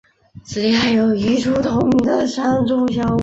此地还有一处同名的山中小屋。